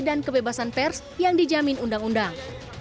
dan kebebasan pers yang dijamin undang undang